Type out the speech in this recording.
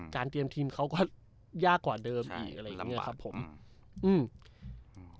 เตรียมทีมเขาก็ยากกว่าเดิมอีกอะไรอย่างเงี้ยครับผมอืม